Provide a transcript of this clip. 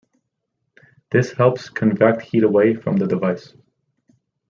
This helps convect heat away from the device.